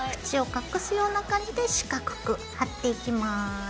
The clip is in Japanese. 縁を隠すような感じで四角く貼っていきます。